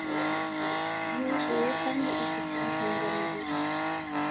yuzuye kandi ifite intungamubiri